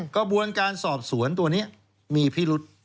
กระบวนการสอบสวนตัวนี้มีพิรุษ